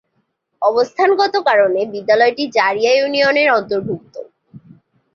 অবস্থানগত কারণে বিদ্যালয়টি জারিয়া ইউনিয়নের অন্তর্ভুক্ত।